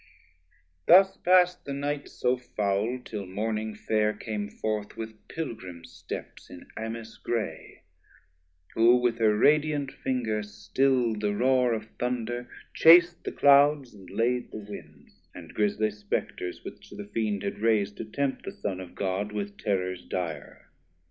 Thus pass'd the night so foul till morning fair Came forth with Pilgrim steps in amice gray; Who with her radiant finger still'd the roar Of thunder, chas'd the clouds, and laid the winds, And grisly Spectres, which the Fiend had rais'd 430 To tempt the Son of God with terrors dire.